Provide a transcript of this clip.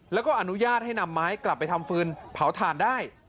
แล้วก็อนุญาตให้นำไม้กลับไปทำฟืนเผาถ่านได้